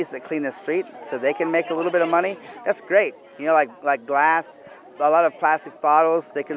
thông tin truyền thông tin của các bạn